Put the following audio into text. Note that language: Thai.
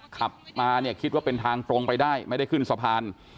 ขับมาเนี่ยคิดว่าเป็นทางตรงไปได้ไม่ได้ขึ้นสะพาน